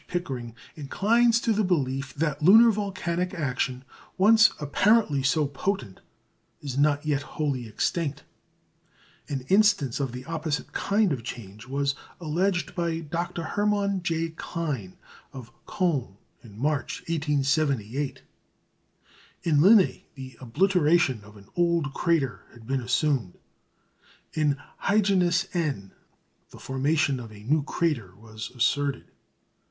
Pickering inclines to the belief that lunar volcanic action, once apparently so potent, is not yet wholly extinct. An instance of an opposite kind of change was alleged by Dr. Hermann J. Klein of Cologne in March, 1878. In Linné the obliteration of an old crater had been assumed; in "Hyginus N.," the formation of a new crater was asserted.